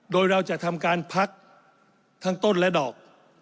โดยเราจะทำการพักทั้งต้นและดอก